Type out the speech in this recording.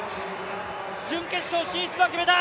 準決勝進出を決めた！